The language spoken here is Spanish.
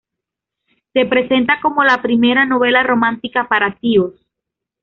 Se presenta como la primera "novela romántica para tíos".